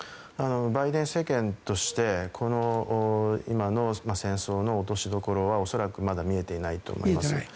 バイデン政権として今の戦争の落としどころは恐らくまだ見えていないと思います。